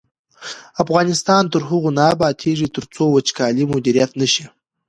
افغانستان تر هغو نه ابادیږي، ترڅو وچکالي مدیریت نشي.